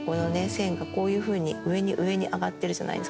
線がこういうふうに上に上に上がってるじゃないですか。